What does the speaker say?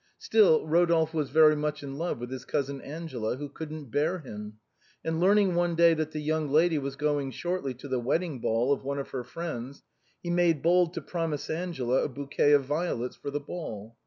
Still Rodolphe was very much in love with his cousin Angela, who couldn't bear him; and learning one day 104 THE WHITE VIOLETS. 105 that the young lady was going shortly to the wedding ball of one of her friends, he made bold to promise Angela a bouquet of violets for the ball.